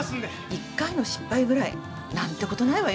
一回の失敗ぐらい何てことないわよ。